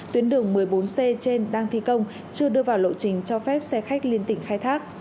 tuyến đường một mươi bốn c trên đang thi công chưa đưa vào lộ trình cho phép xe khách liên tỉnh khai thác